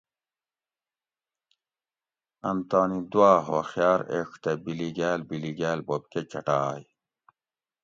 ان تانی دوآ ھوخیار ایڄ دہ بِلیگال بِلیگال بوب کہ چٹائے